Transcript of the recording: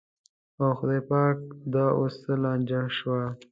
او خدایه پاکه دا اوس څه لانجه شوه.